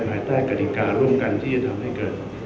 ภายใต้กฎิการ่วมกันที่จะทำให้เกิด